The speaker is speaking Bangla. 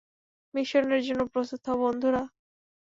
মিশনের জন্য প্রস্তুত হও, বন্ধুরা।